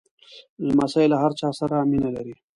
لمسی له هر چا سره مینه لري.